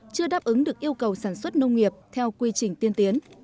chưa đáp ứng được yêu cầu sản xuất nông nghiệp theo quy trình tiên tiến